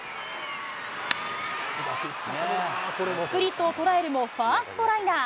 スプリットを捉えるも、ファーストライナー。